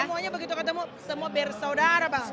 semuanya begitu ketemu semua bersaudara bang